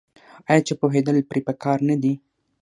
آیا چې پوهیدل پرې پکار نه دي؟